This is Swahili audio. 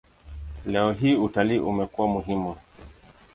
Leo hii utalii umekuwa muhimu.